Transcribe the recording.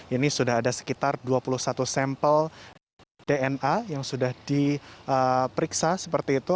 ini sudah ada sekitar dua puluh satu sampel dna yang sudah diperiksa seperti itu